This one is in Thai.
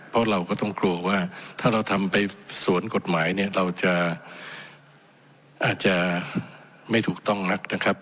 เพราะเราก็ต้องกลัวว่าถ้าเราทำไปสวนกฎหมายเนี่ยเราจะอาจจะไม่ถูกต้องนักนะครับ